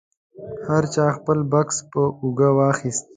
هر چا خپل بکس په اوږه واخیست.